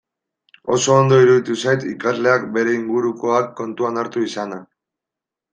Oso ondo iruditu zait ikasleak bere ingurukoak kontuan hartu izana.